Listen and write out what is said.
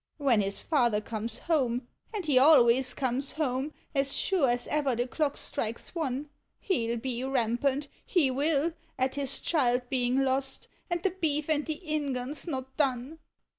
When his father comes home, and he always comes home as sure as ever the clock strikes one, Digitized by Google ABOUT CHILDREN. 51 He '11 be rampant, he will, at his child being lost; and the beef and the inguns not done!